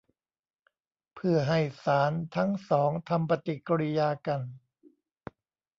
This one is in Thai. เพื่อให้สารทั้งสองทำปฏิกิริยากัน